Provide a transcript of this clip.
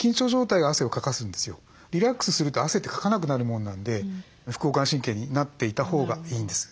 リラックスすると汗ってかかなくなるもんなんで副交感神経になっていたほうがいいんです。